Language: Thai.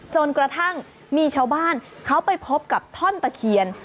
จนกระทั่งมีชาวบ้านเขาไปพบกับท่อนตะเคียน